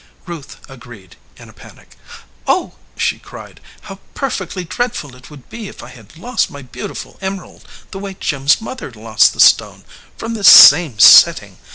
Ruth agreed in a panic. "Oh," she cried, "how perfectly dreadful it would be if I had lost my beautiful emerald the way Jim s mother lost the stone from this same setting!